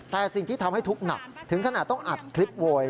แต่สิ่งที่ทำให้ทุกข์หนักถึงขนาดต้องอัดคลิปโวย